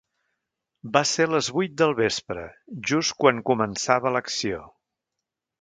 Va ser a les vuit del vespre, just quan començava l’acció.